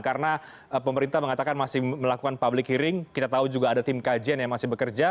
karena pemerintah mengatakan masih melakukan public hearing kita tahu juga ada tim kajian yang masih bekerja